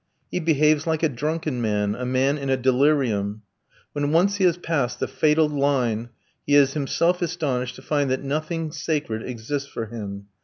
He behaves like a drunken man a man in a delirium. When once he has passed the fatal line, he is himself astonished to find that nothing sacred exists for him.